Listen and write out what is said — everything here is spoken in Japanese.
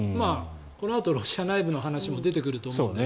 このあと、ロシア内部の話も出てくると思うので。